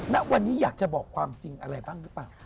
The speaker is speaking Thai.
ณวันนี้อยากจะบอกความจริงอะไรบ้างหรือเปล่า